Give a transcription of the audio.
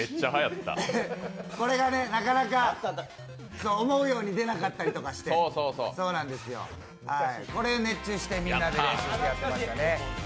これがなかなか思うように出なかったりとかして、これ、熱中してみんなで練習してやってましたね。